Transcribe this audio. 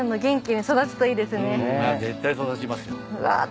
絶対育ちますよ。